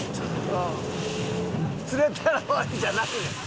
釣れたら終わりじゃないねん。